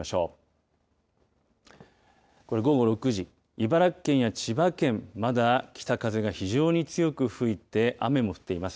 茨城県や千葉県、まだ北風が非常に強く吹いて、雨も降っています。